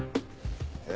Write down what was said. えっ？